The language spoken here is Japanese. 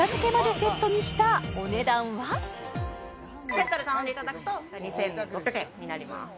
セットで頼んでいただくと２６００円になります・